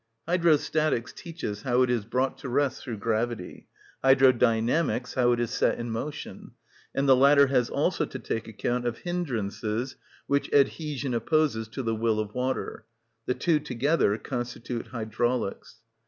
Hydrostatics teaches how it is brought to rest through gravity; hydrodynamics, how it is set in motion; and the latter has also to take account of hindrances which adhesion opposes to the will of water: the two together constitute hydraulics.